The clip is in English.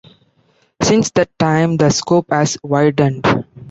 Since that time the scope has widened.